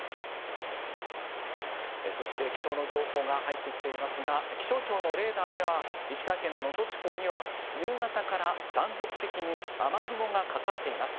そして気象の情報が入ってきていますが、気象庁のレーダーでは、石川県の能登地方には、夕方から断続的に雨雲がかかっています。